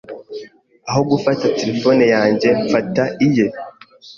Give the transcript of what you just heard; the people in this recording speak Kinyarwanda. aho gufata telephone yanjye mfata iye